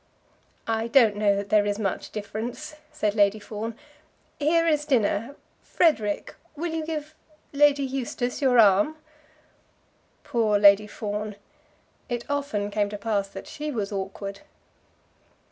"I don't know that there is much difference," said Lady Fawn. "Here is dinner. Frederic, will you give Lady Eustace your arm?" Poor Lady Fawn! It often came to pass that she was awkward.